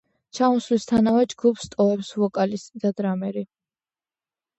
ჩამოსვლისთანავე ჯგუფს ტოვებს ვოკალისტი და დრამერი.